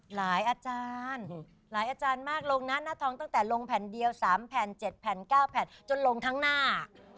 อาจารย์หลายอาจารย์มากลงนะหน้าท้องตั้งแต่ลงแผ่นเดียว๓แผ่น๗แผ่น๙แผ่นจนลงทั้งหน้า